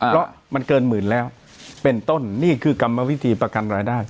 เพราะมันเกินหมื่นแล้วเป็นต้นนี่คือกรรมวิธีประกันรายได้